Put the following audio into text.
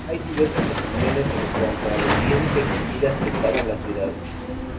Hay diversas opiniones en cuanto a lo bien defendidas que estaban las ciudades.